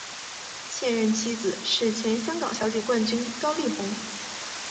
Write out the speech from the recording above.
现任妻子是前香港小姐冠军高丽虹。